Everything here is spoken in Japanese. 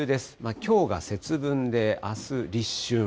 きょうが節分で、あす立春。